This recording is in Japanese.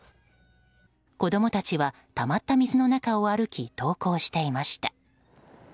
子供たちはたまった水の中を歩き登校していました。